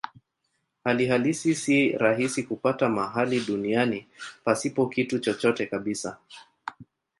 Hali halisi si rahisi kupata mahali duniani pasipo kitu chochote kabisa.